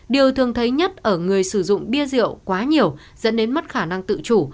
điều thường thấy nhất ở người sử dụng bia rượu quá nhiều dẫn đến mất khả năng tự chủ